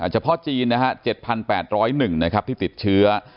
เฉพาะจีนนะฮะ๗๘๐๑นะครับที่ติดเชื้อ